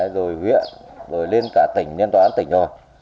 rồi huyện rồi lên cả tỉnh lên tòa án tỉnh rồi